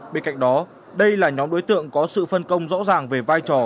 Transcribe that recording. bên cạnh đó đây là nhóm đối tượng có sự phân công rõ ràng về vai trò